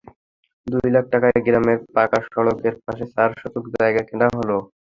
দুই লাখ টাকায় গ্রামের পাকা সড়কের পাশে চার শতক জায়গা কেনা হলো।